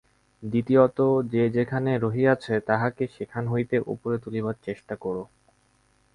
দ্বিতীয়ত যে যেখানে রহিয়াছে, তাহাকে সেখান হইতে উপরে তুলিবার চেষ্টা কর।